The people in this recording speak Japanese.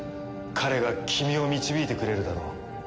彼が君を導いてくれるだろう。